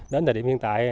đến thời điểm hiện tại